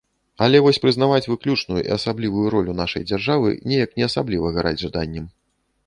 Але вось прызнаваць выключную і асаблівую ролю нашай дзяржавы неяк не асабліва гараць жаданнем.